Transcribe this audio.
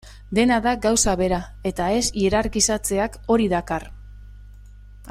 Dena da gauza bera, eta ez hierarkizatzeak hori dakar.